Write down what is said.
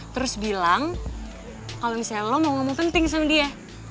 terus bilang kalau misalnya lo mau ngomong penting sama dia